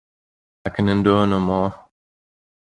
I can endure no more.